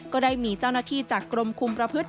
ก็ได้มีเจ้าหน้าที่จากกรมคุมประพฤติ